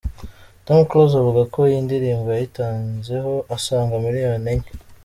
Tom Close avuga ko iyi ndirimbo yayitanzeho asaga miliyoni enye.